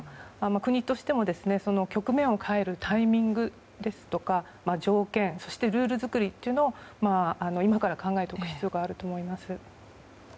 国としても局面を変えるタイミングや条件、そしてルールづくりというのを今から考えておく必要があると思います。